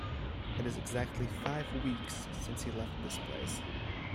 It is exactly five weeks since he left this place.